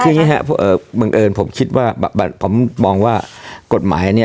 คืออย่างงี้ฮะเอ่อเมืองเอิญผมคิดว่าผมมองว่ากฎหมายเนี้ย